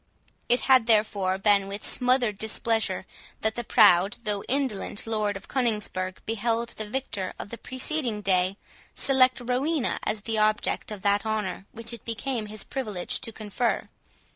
It had therefore been with smothered displeasure that the proud though indolent Lord of Coningsburgh beheld the victor of the preceding day select Rowena as the object of that honour which it became his privilege to confer.